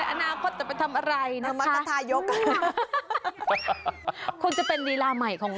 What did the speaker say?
ลีลาการขายของน้องเป็นอย่างไรคะ